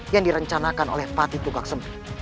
yang direncanakan oleh pati tugak sembih